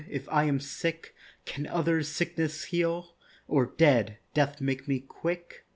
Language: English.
If I am sick Can others' sickness heal? Or dead, death make me quick?